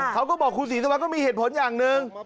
เขาก็บอกคุณศรีสุวรรณก็มีเหตุผลอย่างหนึ่ง